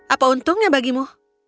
apa untungnya bagimu